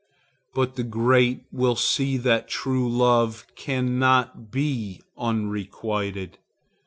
But the great will see that true love cannot be unrequited.